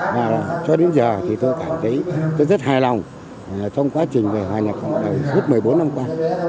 và là cho đến giờ thì tôi cảm thấy tôi rất hài lòng trong quá trình về hoài ngập cộng đồng suốt một mươi bốn năm qua